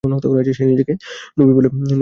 সে নিজেকে নবী বলে দাবী করে।